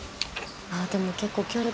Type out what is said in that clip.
でも結構。